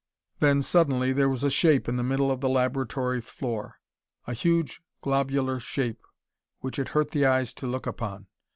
Then, suddenly, there was a shape in the middle of the laboratory floor. A huge globular shape which it hurt the eyes to look upon.